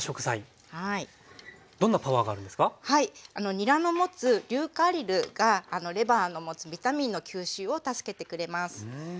にらの持つ硫化アリルがレバーの持つビタミンの吸収を助けてくれます。